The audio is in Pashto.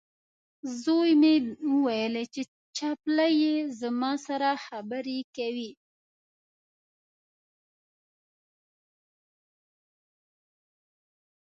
زوی مې وویلې، چې چپلۍ یې زما سره خبرې کوي.